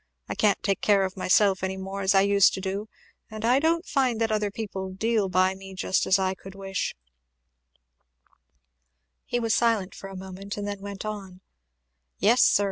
I can't take care of myself any more as I used to do, and I don't find that other people deal by me just as I could wish " He was silent for a moment and then went on, "Yes sir!